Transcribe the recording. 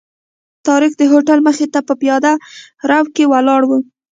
طارق د هوټل مخې ته په پیاده رو کې ولاړ و.